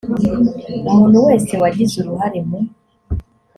umuntu wese wagize uruhare mu